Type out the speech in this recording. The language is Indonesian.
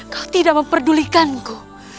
kau tidak memperdulikanku